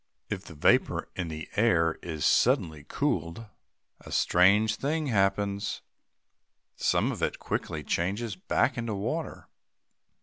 If the vapor in the air is suddenly cooled, a strange thing happens. Some of it quickly changes back into water.